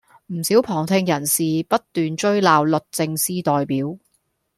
唔少旁聽人士不斷追鬧律政司代表